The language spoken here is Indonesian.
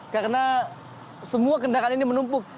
karena kendaraan ini menumpuk